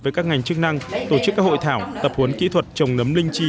với các ngành chức năng tổ chức các hội thảo tập huấn kỹ thuật trồng nấm linh chi